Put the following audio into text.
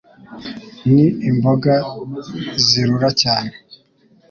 Ni Imboga zirura cyane